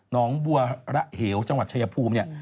น้องบัวระเหวจังหวัดชัยภูมิ